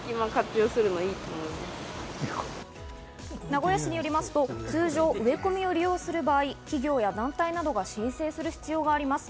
名古屋市によりますと通常、植え込みを利用する場合、企業や団体などが申請する必要があります。